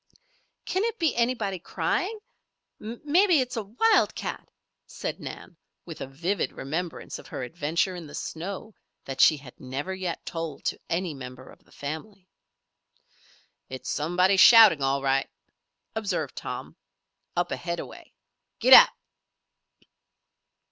"Can it be anybody crying? Maybe it's a wildcat," said Nan, with a vivid remembrance of her adventure in the snow that she had never yet told to any member of the family. "It's somebody shouting, all right," observed Tom. "Up ahead a way. Gid ap!"